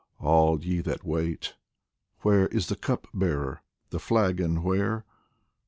All ye that wait, Where is the Cup bearer, the flagon where ?